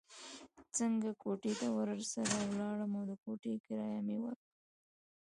څنګ کوټې ته ورسره ولاړم او د کوټې کرایه مې ورکړل.